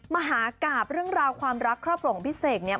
มหากราบเรื่องราวความรักครอบครัวของพี่เสกเนี่ย